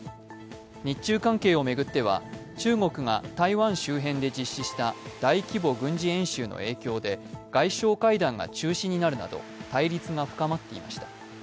日中関係を巡っては中国が台湾周辺で実施した大規模軍事演習の影響で外相会談が中止になるなど対立が深まっていました。